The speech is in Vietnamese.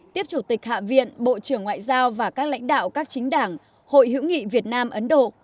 tiếp chủ tịch hạ viện bộ trưởng ngoại giao và các lãnh đạo các chính đảng hội hữu nghị việt nam ấn độ